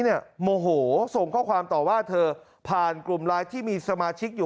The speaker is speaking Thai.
โมโหส่งข้อความต่อว่าเธอผ่านกลุ่มไลน์ที่มีสมาชิกอยู่